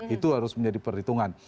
itu harus menjadi perhitungan